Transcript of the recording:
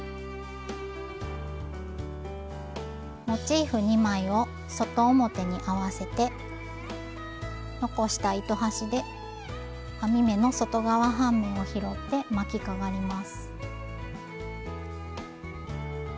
モチーフ２枚を外表に合わせて残した糸端で編み目の外側半目を拾って巻きかがります。